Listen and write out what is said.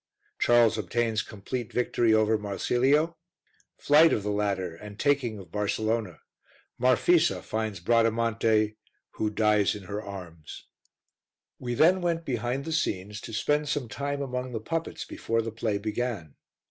Charles obtains complete victory over Marsilio Flight of the latter and taking of Barcelona Marfisa finds Bradamante who dies in her arms. We then went behind the scenes to spend some time among the puppets before the play began.